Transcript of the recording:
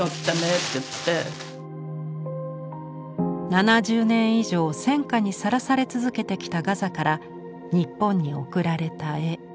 ７０年以上戦禍にさらされ続けてきたガザから日本に送られた絵。